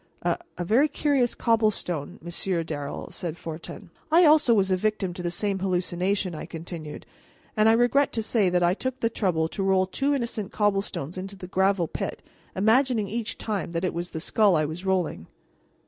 "A a very curious cobblestone, Monsieur Darrel," said Fortin. "I also was a victim to the same hallucination," I continued, "and I regret to say that I took the trouble to roll two innocent cobblestones into the gravel pit, imagining each time that it was the skull I was rolling."